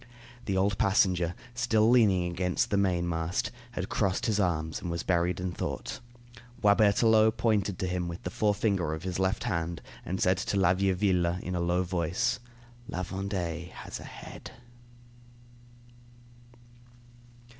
The old passenger, still leaning against the mainmast, had crossed his arms, and was buried in thought. Boisberthelot pointed to him with the forefinger of his left hand, and said to La Vieuville in a low voice: "La Vendée has a head."